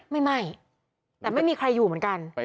ไม่แต่ไม่มีใครอยู่เหมือนกัน